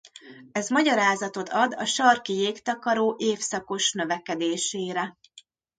Ez magyarázatot ad a sarki jégtakaró évszakos növekedésére.